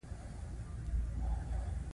زیاته تکیه یې پر فلسفه باندې وي.